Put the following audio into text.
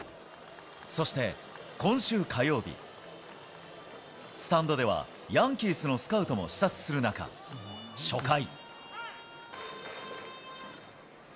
そして、今週火曜日、スタンドではヤンキースのスカウトも視察する中、初回。